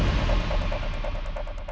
sepertinya ada yang ngikutin gue